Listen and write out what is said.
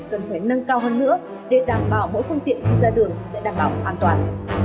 cần phải nâng cao hơn nữa để đảm bảo mỗi phương tiện khi ra đường sẽ đảm bảo an toàn